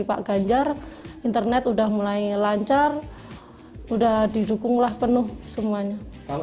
internet sudah mulai lancar sudah didukunglah penuh semuanya